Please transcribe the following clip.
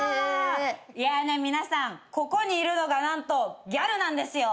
皆さんここにいるのが何とギャルなんですよ。